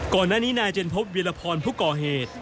ก่อนหน้านี้นายเจนพพิริพรภุกกอเหตุ